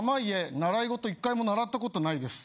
習い事１回も習ったことないです。